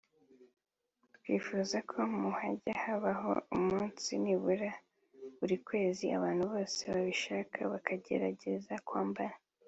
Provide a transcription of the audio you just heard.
twifuza ko mu hajya habaho umunsi nibura buri kwezi abantu bose babishaka bakagerageza kwambara